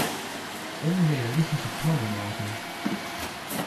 Onrealistische plannen maken.